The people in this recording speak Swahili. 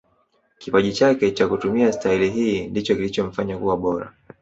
kipaji chake cha kutumia stahili hii ndicho kilichomfanya kuwa bora